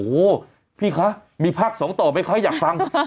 โอ้โหพี่คะมีภาคสองต่อไหมคะอยากฟัง